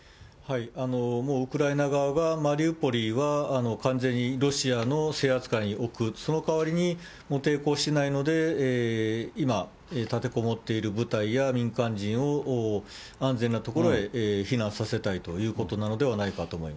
もうウクライナ側が、マリウポリが完全にロシアの制圧下に置く、その代わりにもう抵抗しないので、今、立てこもっている部隊や、民間人を安全な所へ避難させたいということなのではないかと思い